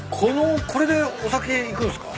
これでお酒いくんすか？